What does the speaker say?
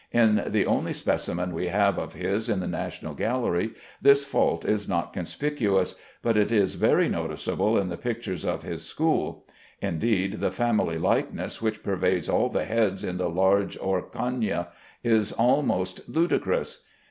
In the only specimen we have of his in the National Gallery this fault is not conspicuous, but it is very noticeable in the pictures of his school. Indeed, the family likeness which pervades all the heads in the large Orcagna is almost ludicrous.